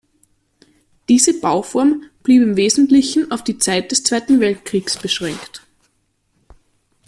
Diese Bauform blieb im Wesentlichen auf die Zeit des Zweiten Weltkriegs beschränkt.